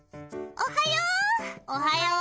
おはよう！